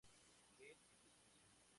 Él y su esposa.